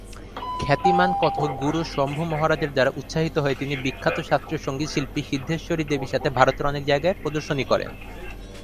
খ্যাতিমান কত্থক গুরু শম্ভু মহারাজের দ্বারা উৎসাহিত হয়ে তিনি বিখ্যাত শাস্ত্রীয় সংগীতশিল্পী সিদ্ধেশ্বরী দেবীর সাথে ভারতের অনেক জায়গায় প্রদর্শনী করেন।